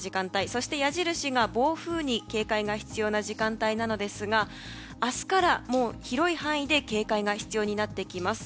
そして矢印が暴風に警戒が必要な時間帯なんですが明日から広い範囲で警戒が必要になってきます。